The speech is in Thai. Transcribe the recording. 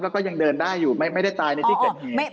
แล้วก็ยังเดินได้อยู่ไม่ได้ตายในที่เกิดเหตุ